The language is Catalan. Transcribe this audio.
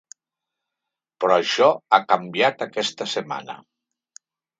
Però això ha canviat aquesta setmana.